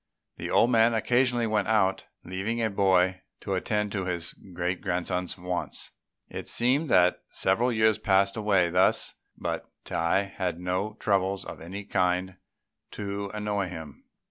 The old man occasionally went out, leaving a boy to attend to his great grandson's wants. It seemed that several years passed away thus, but Tai had no troubles of any kind to annoy him.